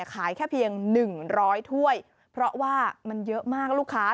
ขายแค่เพียง๑๐๐ถ้วยเพราะว่ามันเยอะมากลูกค้า